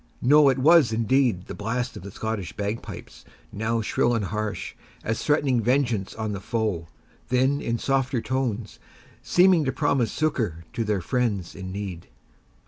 No, it was, indeed, the blast of the Scottish bagpipes, now shrill and harsh, as threatening vengeance on the foe, then in softer tones, seeming to promise succour to their friends in need.